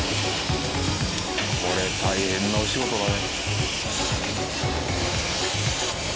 これ大変なお仕事だね。